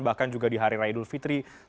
bahkan juga di hari raya idul fitri